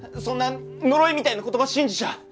そんな呪いみたいな言葉信じちゃ。